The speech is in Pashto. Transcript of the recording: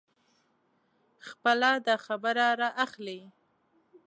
خپله داخبره را اخلي.